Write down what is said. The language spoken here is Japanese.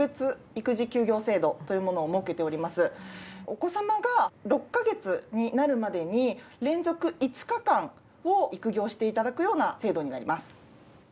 お子様が６カ月になるまでに連続５日間を育業して頂くような制度になります。